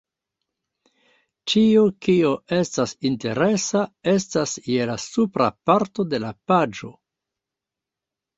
Ĉio kio estas interesa estas je la supra parto de la paĝo